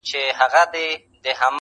o تاته هم یو زر دیناره درکومه,